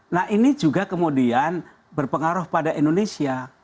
nah ini juga kemudian berpengaruh pada indonesia